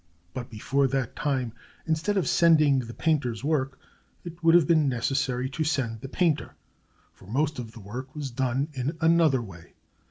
But before that time, instead of sending the painter's work, it would have been necessary to send the painter; for most of the work was done in another way.